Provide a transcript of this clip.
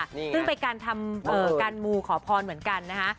ซึ่งเป็นการทำการมูขอพรเหมือนกันนะคะ